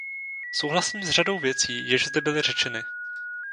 Souhlasím s řadou věcí, jež zde byly řečeny.